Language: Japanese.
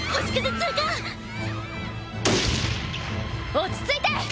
落ち着いて！